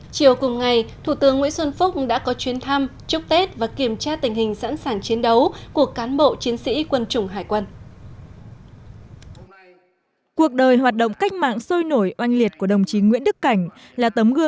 chiều cùng ngày thủ tướng nguyễn xuân phúc đã có chuyến thăm chúc tết và kiểm tra tình hình sẵn sàng chiến đấu